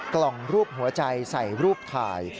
กล่องรูปหัวใจใส่รูปถ่าย